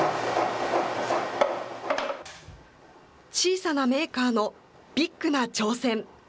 小さなメーカーのビッグな挑戦。